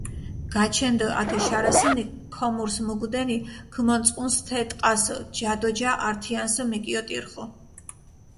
გაჩენდჷ ათე შარასჷნი, ქომურს მუგჷდენი, ქჷმონწყუნსჷ თე ტყასჷ, ჯა დო ჯა ართიანსჷ მიკიოტირხჷ.